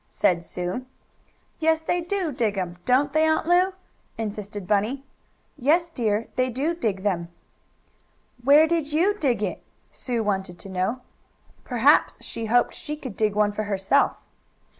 said Sue. "Yes they do dig 'em; don't they, Aunt Lu?" insisted Bunny. "Yes, dear, they do dig them." "Where did you dig it?" Sue wanted to know. Perhaps she hoped she could dig one for herself.